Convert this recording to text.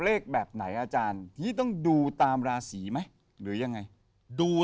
แบบไหนอาจารย์พี่ต้องดูตามราศีไหมหรือยังไงดู